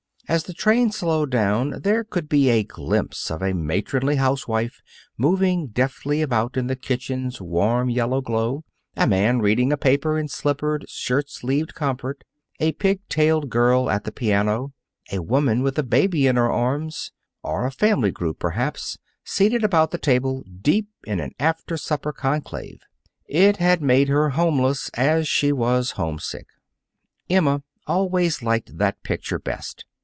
As the train slowed down, there could be had a glimpse of a matronly housewife moving deftly about in the kitchen's warm yellow glow, a man reading a paper in slippered, shirt sleeved comfort, a pig tailed girl at the piano, a woman with a baby in her arms, or a family group, perhaps, seated about the table, deep in an after supper conclave. It had made her homeless as she was homesick. Emma always liked that picture best.